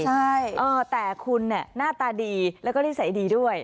ใช่แต่คุณเนี่ยหน้าตาดีแล้วก็นิสัยดีด้วย